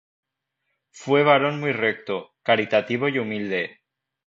Fue varón muy recto, caritativo y humilde.